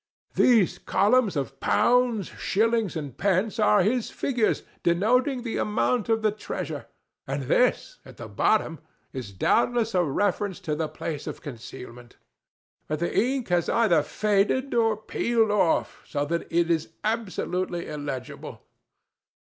These columns of pounds, shillings and pence are his figures, denoting the amount of the treasure, and this, at the bottom, is doubtless a reference to the place of concealment. But the ink has either faded or peeled off, so that it is absolutely illegible.